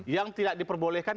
yang tidak diperbolehkan